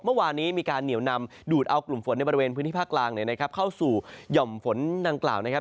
เมื่อวานนี้มีการเหนียวนำดูดเอากลุ่มฝนในบริเวณพื้นที่ภาคกลางเนี่ยนะครับเข้าสู่หย่อมฝนดังกล่าวนะครับ